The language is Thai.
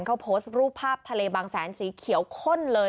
เขาโพสต์รูปภาพทะเลบางแสนสีเขียวข้นเลย